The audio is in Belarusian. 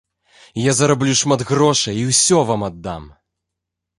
Я зараблю шмат грошай і ўсе вам аддам.